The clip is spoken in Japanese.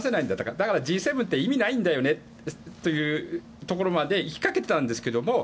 だからＧ７って意味ないんだよねというところまでいきかけてたんですけど